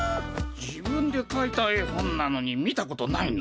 自分でかいた絵本なのに見たことないの？